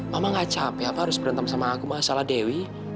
mama gak capek apa harus berantem sama aku masalah dewi